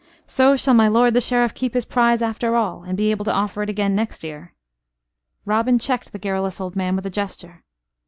So shall my lord the Sheriff keep his prize after all; and be able to offer it again next year " Robin checked the garrulous old man with a gesture.